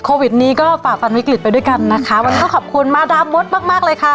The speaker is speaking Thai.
โควิดนี้ก็ฝ่าฟันวิกฤตไปด้วยกันนะคะวันนี้ต้องขอบคุณมาดามมดมากมากเลยค่ะ